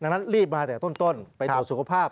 ดังนั้นรีบมาแต่ต้นไปตรวจสุขภาพ